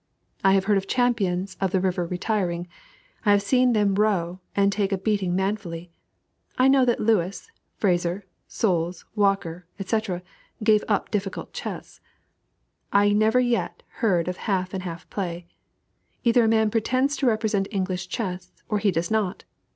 I have heard of champions of the river retiring. I have seen them row, and take a beating manfully. I know that Lewis, Fraser, Slous, Walker, etc., gave up difficult chess. I never yet heard of half and half play. Either a man pretends to represent English chess, or he does not.